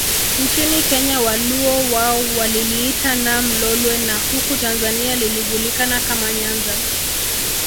Nchini Kenya Waluo wao waliliita Nam Lolwe na huku Tanzania lilijulikana kama Nyanza